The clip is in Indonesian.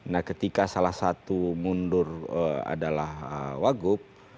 nah ketika salah satu mundur adalah wagub